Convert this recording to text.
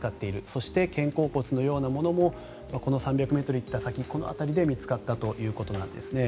そして肩甲骨のようなものも３００ｍ行った先この辺りで見つかったということです。